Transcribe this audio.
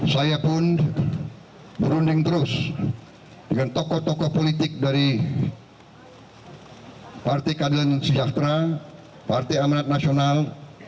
saya pun berunding terus dengan tokoh tokoh politik dari partai keadilan sejahtera partai amanat nasional